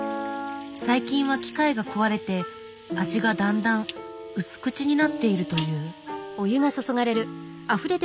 最近は機械が壊れて味がだんだん薄口になっているという。